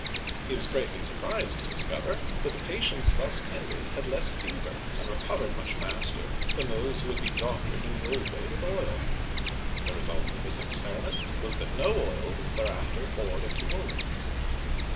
He was greatly surprised to discover that the patients thus tended had less fever, and recovered much faster, than those who had been doctored in the old way with oil. The result of this experiment was that no oil was there after poured into wounds.